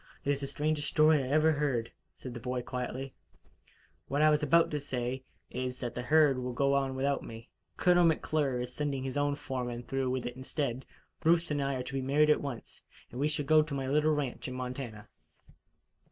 "It is the strangest story I ever heard," said the boy quietly. "What I was about to say, is that the herd will go on without me. Colonel McClure is sending his own foreman through with it instead. Ruth and I are to be married at once, and we shall go to my little ranch in Montana."